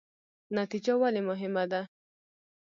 نتیجه ولې مهمه ده؟